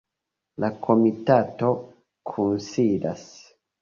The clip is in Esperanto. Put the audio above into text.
La komitato kunsidas.